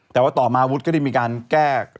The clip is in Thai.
แต่ว่าต่อมะวุฒิเนี่ยก็ได้การแก้